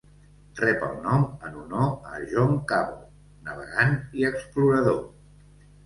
Rep el nom en honor a John Cabot, navegant i explorador.